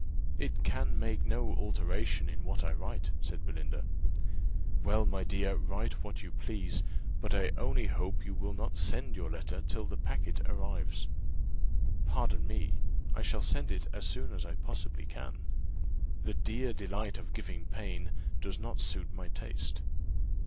"It can make no alteration in what I write," said Belinda. "Well, my dear, write what you please; but I only hope you will not send your letter till the packet arrives." "Pardon me, I shall send it as soon as I possibly can: the 'dear delight of giving pain' does not suit my taste."